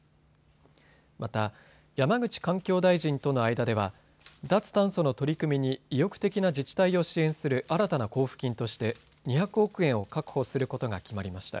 また、山口環境大臣との間では脱炭素の取り組みに意欲的な自治体を支援する新たな交付金として２００億円を確保することが決まりました。